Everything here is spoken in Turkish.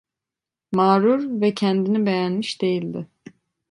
Mağrur ve kendini beğenmiş değildi.